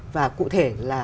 và cụ thể là